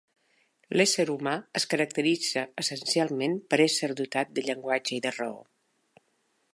L'ésser humà es caracteritza essencialment per ésser dotat de llenguatge i de raó.